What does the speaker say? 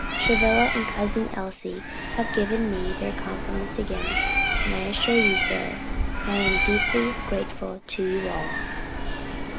Travilla and Cousin Elsie have given me their confidence again, and I assure you, sir, I am deeply grateful to you all."